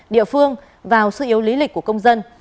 địa phương vào sự yếu lý lịch của công dân